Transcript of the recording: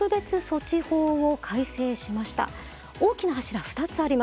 大きな柱２つあります。